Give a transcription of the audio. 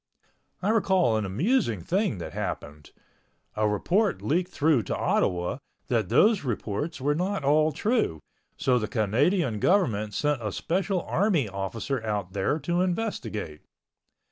I recall an amusing thing that happened. A report leaked through to Ottawa that those reports were not all true, so the Canadian government sent a special army officer out there to investigate.